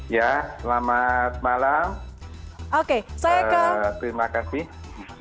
ya selamat malam